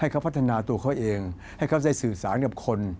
เขาพัฒนาตัวเขาเองให้เขาได้สื่อสารกับคน